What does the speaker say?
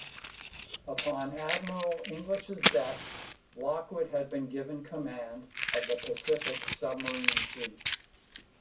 Upon Admiral English's death, Lockwood had been given command of the Pacific submarine fleet.